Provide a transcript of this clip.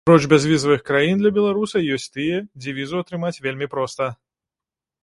Апроч бязвізавых краін для беларуса, ёсць тыя, дзе візу атрымаць вельмі проста.